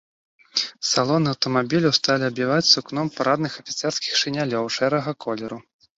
Салоны аўтамабіляў сталі абіваць сукном парадных афіцэрскіх шынялёў шэрага колеру.